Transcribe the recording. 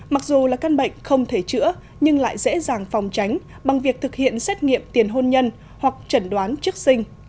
mặc dù là căn bệnh không thể chữa nhưng lại dễ dàng phòng tránh bằng việc thực hiện xét nghiệm tiền hôn nhân hoặc chẩn đoán trước sinh